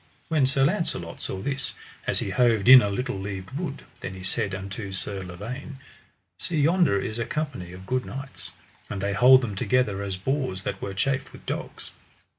When Sir Launcelot saw this, as he hoved in a little leaved wood, then he said unto Sir Lavaine: See yonder is a company of good knights, and they hold them together as boars that were chafed with dogs.